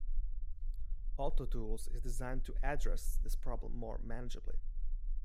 Autotools is designed to address this problem more manageably.